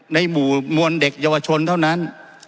ในหมู่มวลเด็กเยาวชนเท่านั้น